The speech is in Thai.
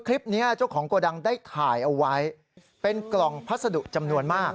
เจ้าของโกดังได้ถ่ายเอาไว้เป็นกล่องพัสดุจำนวนมาก